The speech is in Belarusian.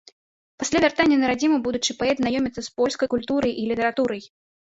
Пасля вяртання на радзіму будучы паэт знаёміцца з польскай культурай і літаратурай.